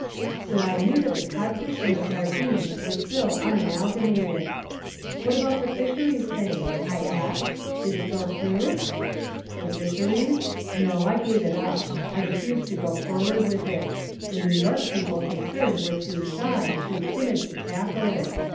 So I knew that the cod fish and the sardines were still unamalgamated. "What about the fisheries thing?" I asked. "Did it go through?" "The fisheries? No, I gave it up. I refused to go forward with it. The New York people concerned were too shy, too timid to tackle it.